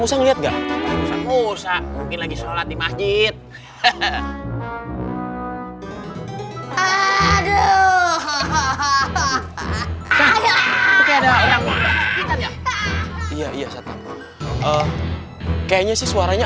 musa ngelihat enggak usah mungkin lagi sholat di masjid aduh hahaha iya iya kayaknya sih suaranya